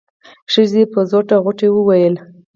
ښځې په زوټه غوټۍ وويل.